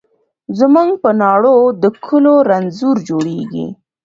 زموږ په ناړو د کلو رنځور جوړیږي